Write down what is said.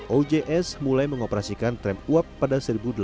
ojs mulai mengoperasikan tram uap pada seribu delapan ratus delapan puluh sembilan